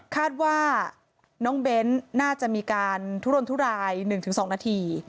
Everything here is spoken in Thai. คาดว่าน้องเบ้นน่าจะมีการทุรนทุราย๑๒นาที